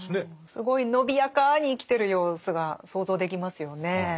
すごい伸びやかに生きてる様子が想像できますよね。